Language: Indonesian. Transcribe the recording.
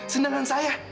senang dengan saya